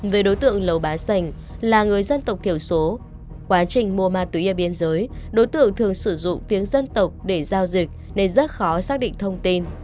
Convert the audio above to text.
về đối tượng lầu bá sành là người dân tộc thiểu số quá trình mua ma túy ở biên giới đối tượng thường sử dụng tiếng dân tộc để giao dịch nên rất khó xác định thông tin